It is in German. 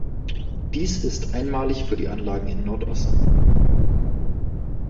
Dies ist einmalig für die Anlagen im Nordosten.